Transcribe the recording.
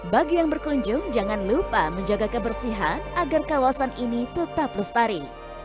bagi yang berkunjung jangan lupa menjaga kebersihan agar kawasan ini tetap lestari